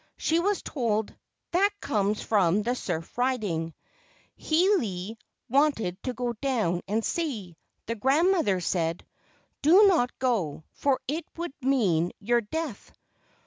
She was told, "That comes from the surf riding." Hiilei wanted to go down and see. The grandmother said, "Do not go, for it would mean your death."